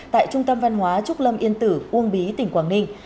tại trung tâm văn hóa trúc lâm yên tử uông bí tỉnh quảng ninh